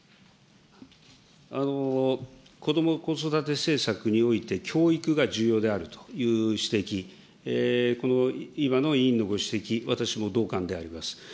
こども・子育て政策において、教育が重要であるという指摘、この今の委員のご指摘、私も同感であります。